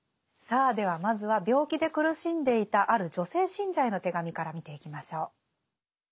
さあではまずは病気で苦しんでいたある女性信者への手紙から見ていきましょう。